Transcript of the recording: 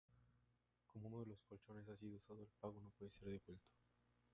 Como uno de los colchones ha sido usado, el pago no puede ser devuelto.